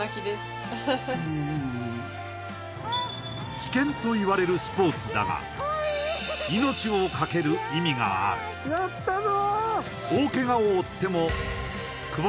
危険と言われるスポーツだが命を懸ける意味があるやったぞ！